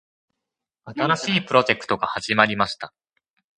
新しいプロジェクトが始まりました。